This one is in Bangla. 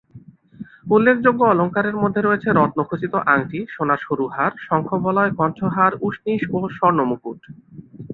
উল্লেখযোগ্য অলঙ্কারের মধ্যে রয়েছে রত্নখচিত আঙটি, সোনার সরু হার, শঙ্খবলয়, কণ্ঠহার, উষ্ণীষ ও স্বর্ণমুকুট।